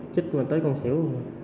chích mình tới con xỉu